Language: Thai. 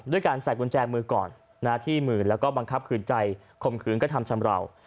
ด้วยการใส่กุญแจมือก่อนที่มือแล้วก็บังคับคืนใจคมคืนกระทำชำราว